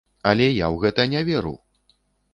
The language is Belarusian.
Але я ў гэта не веру!